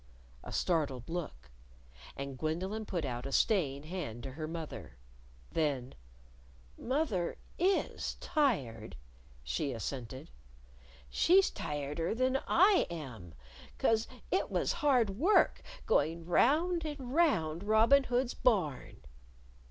A startled look. And Gwendolyn put out a staying hand to her mother. Then "Moth er is tired," she assented. "She's tireder than I am. 'Cause it was hard work going round and round Robin Hood's Barn."